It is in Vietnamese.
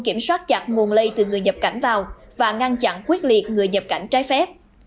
kiểm soát chặt nguồn lây từ người nhập cảnh vào và ngăn chặn quyết liệt người nhập cảnh trái phép